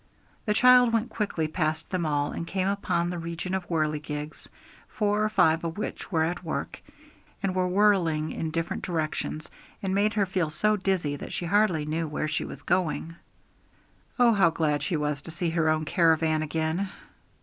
The child went quickly past them all, and came upon the region of whirligigs, four or five of which were at work, and were whirling in different directions, and made her feel so dizzy that she hardly knew where she was going. Oh, how glad she was to see her own caravan again!